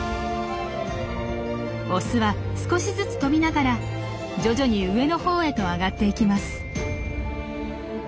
オスは少しずつ飛びながら徐々に上の方へと上がっていきます。